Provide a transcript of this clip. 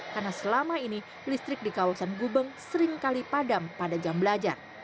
karena selama ini listrik di kawasan gubeng seringkali padam pada jam belajar